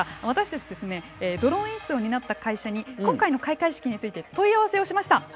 私たちはドローン演出を担った会社に今回の開会式について問い合わせをしました。